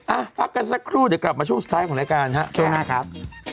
อ่ะพักกันสักครู่เดี๋ยวกลับมาช่วงสุดท้ายของรายการฮะช่วงหน้าครับ